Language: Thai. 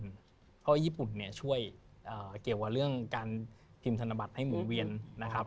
เพราะว่าญี่ปุ่นเนี่ยช่วยเกี่ยวกับเรื่องการพิมพ์ธนบัตรให้หมุนเวียนนะครับ